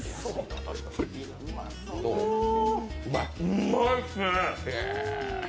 うまいっすね。